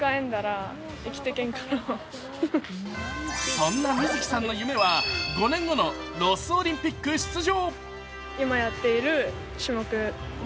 そんなみず希さんの夢は５年後のロスオリンピック出場。